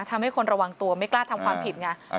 ทำให้คนระวังตัวไม่กล้าทำความผิดไง